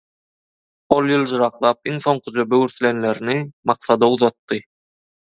Ol ýyljyraklap iň soňkuja böwürslenlerini Maksada uzatdy.